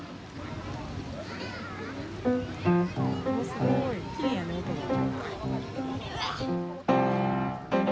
すごいきれいやね音が。